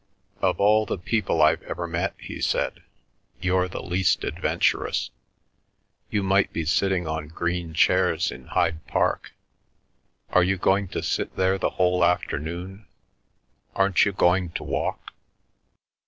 "Of all the people I've ever met," he said, "you're the least adventurous. You might be sitting on green chairs in Hyde Park. Are you going to sit there the whole afternoon? Aren't you going to walk?"